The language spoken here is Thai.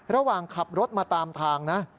ระหว่างขับรถมาตามทางนะ